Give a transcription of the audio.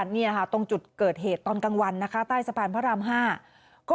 นี่ค่ะตรงจุดเกิดเหตุตอนกลางวันนะคะใต้สะพานพระราม๕